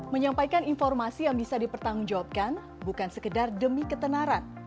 menyampaikan informasi yang bisa dipertanggungjawabkan bukan sekedar demi ketenaran